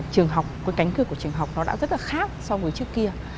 trường học cái cánh cửa của trường học nó đã rất là khác so với trước kia